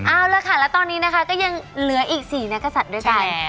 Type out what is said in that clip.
เอาละค่ะแล้วตอนนี้นะคะก็ยังเหลืออีก๔นักศัตริย์ด้วยกัน